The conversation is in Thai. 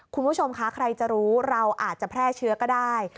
คุณผู้ชมคะใครจะรู้เราอาจจะแพร่เชื้อก็ได้